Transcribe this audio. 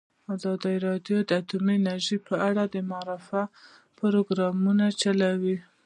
ازادي راډیو د اټومي انرژي په اړه د معارفې پروګرامونه چلولي.